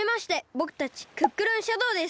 ぼくたちクックルンシャドーです。